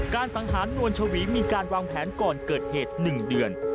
สังหารนวลชวีมีการวางแผนก่อนเกิดเหตุ๑เดือน